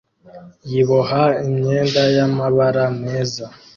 yiboha imyenda yamabara meza